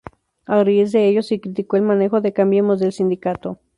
A raíz de ello se criticó el manejo de Cambiemos del sindicato.